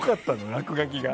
落書きが。